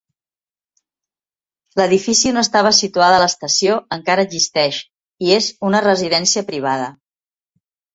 L'edifici on estava situada l'estació encara existeix i és una residència privada.